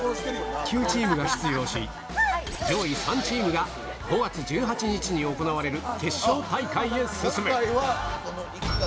９チームが出場し、上位３チームが、５月１８日に行われる決勝大会へ進む。